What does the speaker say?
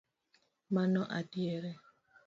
Mano adieri